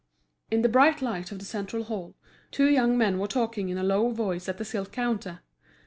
In the bright light of the central hall, two young men were talking in a low voice at the silk counter.